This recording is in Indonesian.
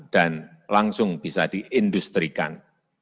dan langsung bisa diindustrikan